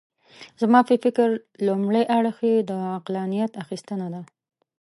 زما په فکر لومړی اړخ یې د عقلانیت اخیستنه ده.